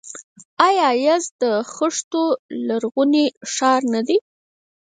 آیا یزد د خښتو لرغونی ښار نه دی؟